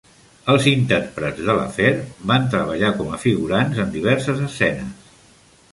Els intèrprets de la Faire van treballar com a figurants en diverses escenes.